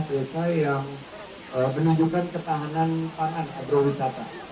ada desa desa yang menunjukkan ketahanan pangan agrowisata